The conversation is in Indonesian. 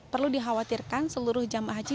perlu dikhawatirkan seluruh jemaah haji